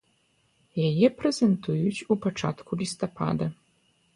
Яе прэзентуюць у пачатку лістапада.